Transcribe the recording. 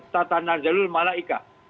tatanar jalur malaikat